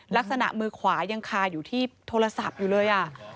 ลักษณะมือขวายังคาอยู่ที่โทรศัพท์อยู่เลย